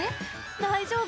大丈夫？